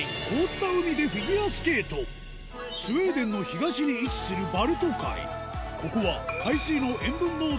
スウェーデンの東に位置するバルト海